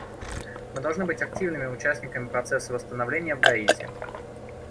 Мы должны быть активными участниками процесса восстановления в Гаити.